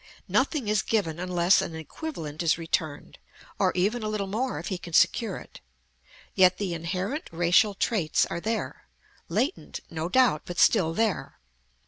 Nothing is given unless an equivalent is returned, or even a little more if he can secure it. Yet the inherent racial traits are there: latent, no doubt, but still there.